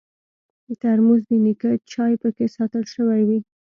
ترموز د نیکه چای پکې ساتل شوی وي.